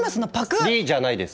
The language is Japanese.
「リ」じゃないです！